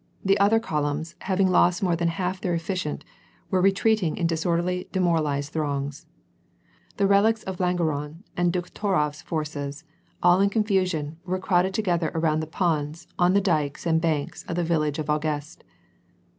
The other columns, having lost more than half their efficient, were retreating in disorderly demoralized throngs. The relics of Langeron and Dokhturofs forces, all in con fosion, were crowded together around the ponds, on the dykes and banks of the village of Augest.